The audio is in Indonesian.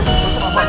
masa terasa apa